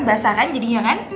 basah kan jadinya kan